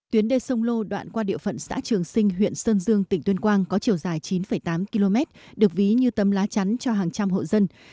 tuyến đê sông lô đoạn qua địa phận xã trường sinh huyện sơn dương tỉnh tuyên quang có chiều dài chín tám km được ví như tấm lá chắn cho hàng trăm hộ dân